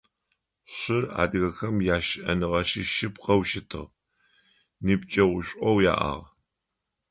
Шыр адыгэхэм ящыӏэныгъэ щыщ шъыпкъэу щытыгъ, ныбджэгъушӏоу яӏагъ.